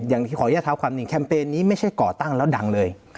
อย่างที่ขออนุญาตเท้าความหนึ่งแคมเปญนี้ไม่ใช่ก่อตั้งแล้วดังเลย